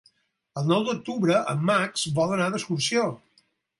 El nou d'octubre en Max vol anar d'excursió.